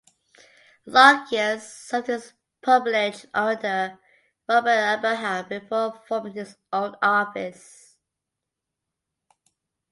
Lockyer served his pupillage under Robert Abraham before forming his own office.